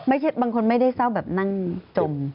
บางคนไม่ได้เศร้าแบบนั่งจม